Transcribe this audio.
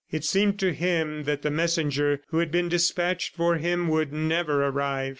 It seemed to him that the messenger who had been despatched for him would never arrive.